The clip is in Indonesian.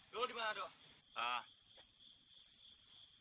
lo dimana dok